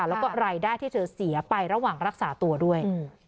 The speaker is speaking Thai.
แล้วก็รายได้ที่เธอเสียไประหว่างรักษาตัวด้วย